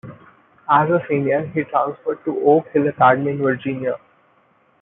As a senior, he transferred to Oak Hill Academy in Virginia.